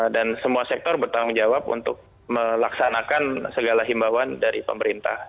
dan semua sektor bertanggung jawab untuk melaksanakan segala himbawan dari pemerintah